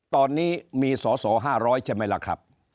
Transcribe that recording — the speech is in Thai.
ตอนนี้มีสอสอ๕๐๐ใช่ไหมล่ะครับ